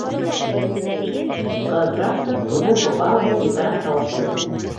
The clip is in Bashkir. Ҡыҙрасов үҙен ҡулға алды, битараф тауыш менән: